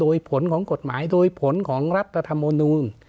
โดยผลของกฎหมายโดยผลของรัฐธรรมนูล